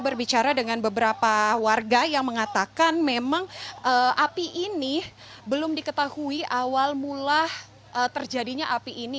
berbicara dengan beberapa warga yang mengatakan memang api ini belum diketahui awal mula terjadinya api ini